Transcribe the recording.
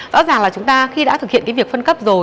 rõ ràng là chúng ta khi đã thực hiện cái việc phân cấp rồi